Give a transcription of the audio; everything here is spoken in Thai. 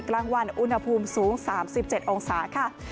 กลางวันอุณหภูมิสูง๓๗องศาค่ะ